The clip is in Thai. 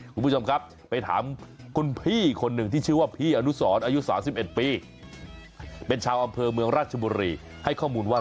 คุณผู้ชมครับไปถามคุณพี่คนหนึ่งที่ชื่อว่าพี่อนุสรอายุ๓๑ปีเป็นชาวอำเภอเมืองราชบุรีให้ข้อมูลว่า